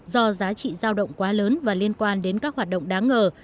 do giá trị giao động quá lớn và liên quan đến các hoạt động đáng ngờ